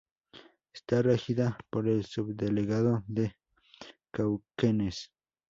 Era regida por el Subdelegado de Cauquenes.